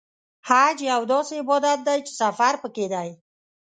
حج یو داسې عبادت دی چې سفر پکې دی.